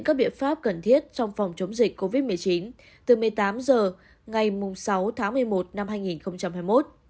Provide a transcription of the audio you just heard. các biện pháp cần thiết trong phòng chống dịch covid một mươi chín từ một mươi tám h ngày sáu tháng một mươi một năm hai nghìn hai mươi một